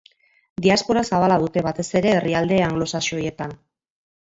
Diaspora zabala dute, batez ere herrialde anglosaxoietan.